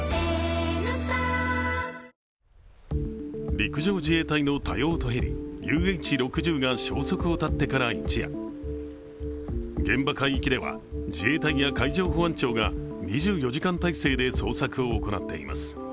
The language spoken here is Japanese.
陸上自衛隊の多用途ヘリＵＨ６０が消息を絶ってから一夜、現場海域では自衛隊や海上保安庁が２４時間態勢で捜索を行っています。